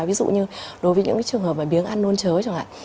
ví dụ như đối với những cái trường hợp mà biếng ăn nôn chớ chẳng hạn